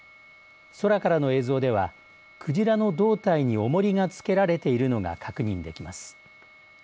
空からの映像ではクジラの胴体に重りが付けられているのが確認できます。